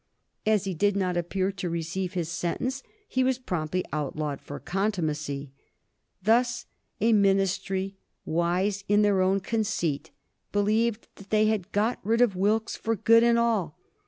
As he did not appear to receive his sentence, he was promptly outlawed for contumacy. Thus a Ministry wise in their own conceit believed that they had got rid of Wilkes for good and all.